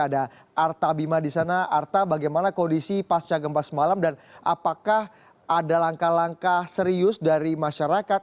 ada arta bima di sana arta bagaimana kondisi pasca gempa semalam dan apakah ada langkah langkah serius dari masyarakat